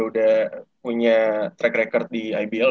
udah punya track record di ibl